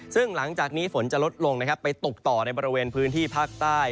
ซึ่งหลังจากนี้ฝนจะลดลงนะครับไปตกต่อในบริเวณพื้นที่ภาคใต้